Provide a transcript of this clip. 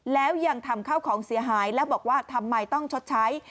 แล้วยังทำข้าวของเสียหายแล้วบอกว่าทำไมต้องชดใช้